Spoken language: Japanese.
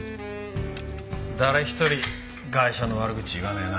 誰一人ガイシャの悪口言わねえな。